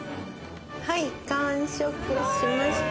はい、完食しました。